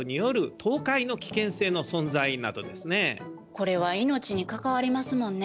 これは命にかかわりますもんね。